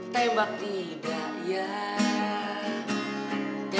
tembak tidak ya